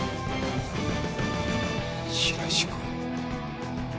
白石君。